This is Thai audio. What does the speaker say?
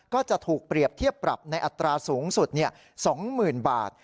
ก็จะถูกเปรียบเทียบปรับในอัตราสูงสุด๒๐๐๐บาท